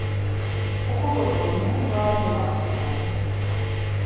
Oxovotzoni va domatzonen.